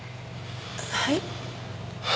はい？